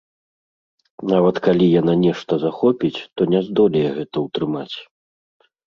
Нават калі яна нешта захопіць, то не здолее гэта ўтрымаць.